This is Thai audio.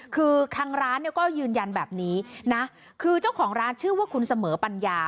คือทางร้านเนี่ยก็ยืนยันแบบนี้นะคือเจ้าของร้านชื่อว่าคุณเสมอปัญญา